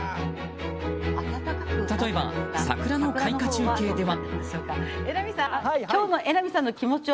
例えば、桜の開花中継では。